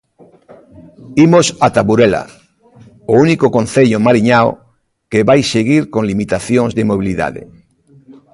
Imos ata Burela, o único concello mariñao que vai seguir con limitacións de mobilidade.